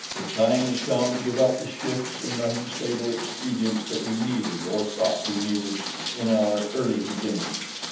The time is come to give up the shifts and unstable expedients that we needed, or thought we needed, in our early beginnings.